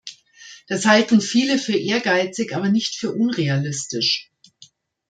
Das halten viele für ehrgeizig, aber nicht für unrealistisch.